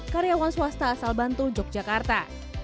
karyawan swasta asal bantul yogyakarta